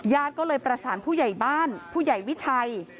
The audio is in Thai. ญาติก็เลยประสานผู้ใหญ่บ้านผู้ใหญ่วิชัย